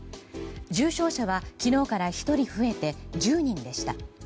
重症者は昨日から１人増えて１０人でした。